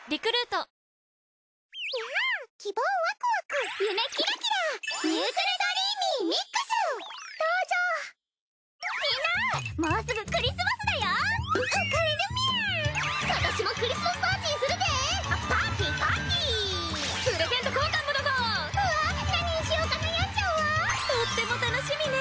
とっても楽しみね！